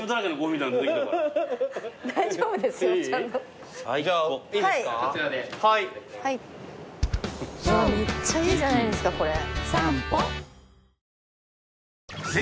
めっちゃいいじゃないですかこれ。